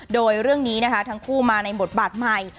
โดยเรื่องนี้นะคะทั้งคู่มาในบทบาทใหม่